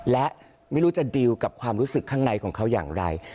และไม่รู้จะดีลกับความรู้สึกข้างในของเขาอย่างไร